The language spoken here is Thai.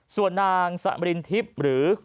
ส่วนนางสะบดินทิศหรือ